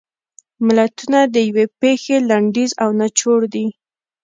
متلونه د یوې پېښې لنډیز او نچوړ دي